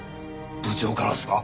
部長からですか？